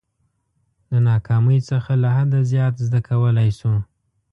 د ناکامۍ څخه له حده زیات زده کولای شو.